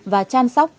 và trang sóc